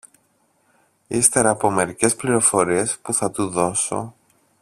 ύστερα από μερικές πληροφορίες που θα του δώσω